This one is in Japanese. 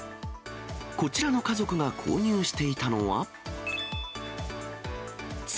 こちらの家族が購入していたのは。